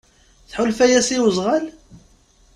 Tḥulfa-yas i wezɣal?